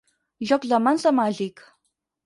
Jocs de mans de màgic.